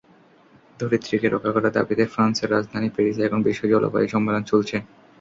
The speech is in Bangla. ধরিত্রীকে রক্ষা করার দাবিতে ফ্রান্সের রাজধানী প্যারিসে এখন বিশ্ব জলবায়ু সম্মেলন চলছে।